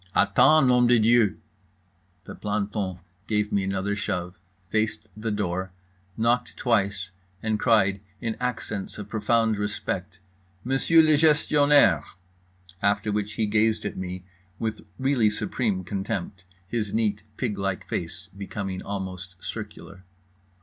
"Attends, Nom de Dieu." The planton gave me another shove, faced the door, knocked twice, and cried in accents of profound respect: "Monsieur le Gestionnaire"—after which he gazed at me with really supreme contempt, his neat pig like face becoming almost circular.